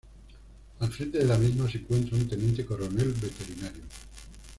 Al frente de la misma se encuentra un teniente coronel veterinario.